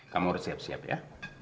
kamu harus siap siap ya